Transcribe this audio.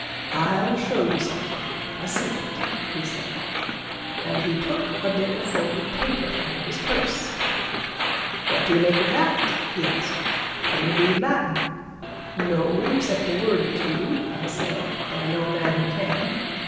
'I'll show you something a secret,' he said, and he took a bit of folded paper out of his purse. 'What do you make of that?' he asked. 'Can you read Latin?' 'No except a word or two,' I said, 'but I know a man who can.'